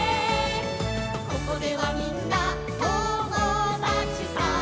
「ここではみんな友だちさ」